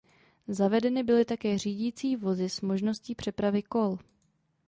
Zavedeny byly také řídící vozy s možností přepravy kol.